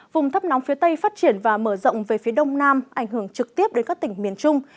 vùng thấp nóng phía tây phát triển và mở rộng về phía đông nam ảnh hưởng trực tiếp đến các tỉnh miền trung